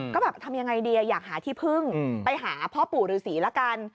ก็แบบทำยังไงดีอยากหาที่พึ่งไปหาพ่อปู่ฤษีละกัน